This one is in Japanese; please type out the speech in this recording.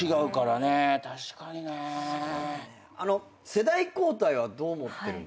世代交代はどう思ってるんですか？